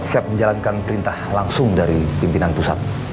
siap menjalankan perintah langsung dari pimpinan pusat